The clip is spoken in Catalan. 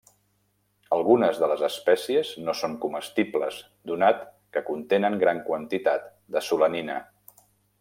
Algunes de les espècies no són comestibles donat que contenen gran quantitat de solanina.